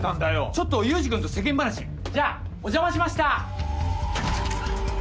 ちょっと祐司君と世間話じゃあお邪魔しました！